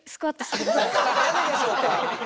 なぜでしょうか？